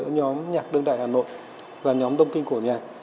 nhạc đơn đại hà nội và nhóm đông kinh cổ nhạc